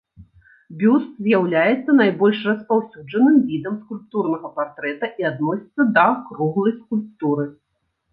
Бюст з'яўляецца найбольш распаўсюджаным відам скульптурнага партрэта і адносіцца да круглай скульптуры.